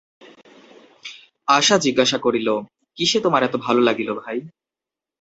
আশা জিজ্ঞাসা করিল, কিসে তোমার এত ভালো লাগিল, ভাই।